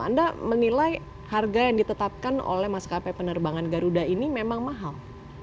anda menilai harga yang ditetapkan oleh maskapai penerbangan garuda ini memang mahal